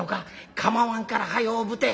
「構わんから早うぶて」。